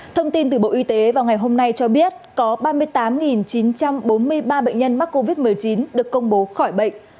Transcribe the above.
thông tin từ bộ y tế vào ngày hôm nay cho biết có ba mươi tám chín trăm bốn mươi ba bệnh nhân mắc covid một mươi chín được công bố khỏi bệnh